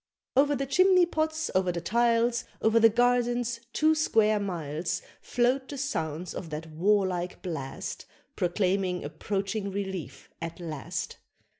Over the chimney pots, over the tiles, Over the gardens, two square miles, Float the sounds of that warlike blast, Proclaiming approaching relief at last.